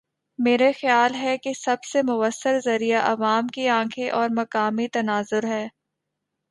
میرا خیال ہے کہ سب سے موثر ذریعہ عوام کی آنکھیں اور مقامی تناظر ہے۔